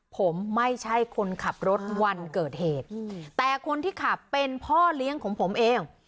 ผมไม่ใช่คนขับรถวันเกิดเหตุแต่คนที่ขับเป็นพ่อเลี้ยงของผมเอง